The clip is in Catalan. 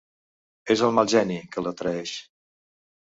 És el mal geni, que la traeix.